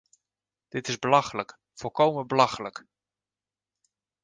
Dit is belachelijk, volkomen belachelijk.